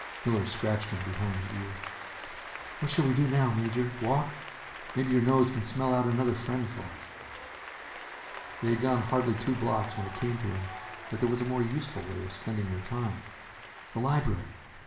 Miller scratched him behind the ear. "What shall we do now, Major? Walk? Maybe your nose can smell out another friend for us." They had gone hardly two blocks when it came to him that there was a more useful way of spending their time. The library!